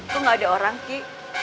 tuh gak ada orang ki